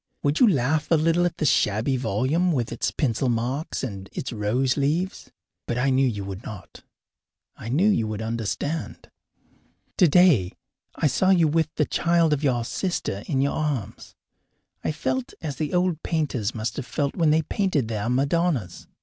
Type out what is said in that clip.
Would you laugh a little at the shabby volume with its pencil marks and its rose leaves? But I knew you would not; I knew you would understand. Today I saw you with the child of your sister in your arms. I felt as the old painters must have felt when they painted their Madonnas.